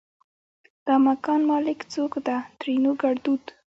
دا مکان مالک چوک ده؛ ترينو ګړدود